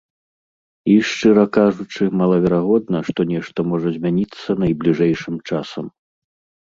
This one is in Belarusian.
І, шчыра кажучы, малаверагодна, што нешта можа змяніцца найбліжэйшым часам.